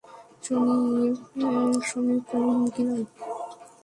Sonic কোন হুমকি নয়।